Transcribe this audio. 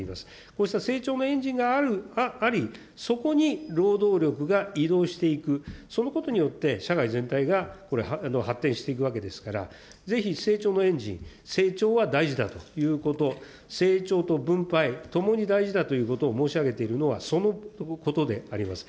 こうした成長のエンジンがあり、そこに労働力が移動していく、そのことによって、社会全体がこれ、発展していくわけですから、ぜひ、成長のエンジン、成長は大事だということ、成長と分配、ともに大事だということを申し上げているのは、そのことであります。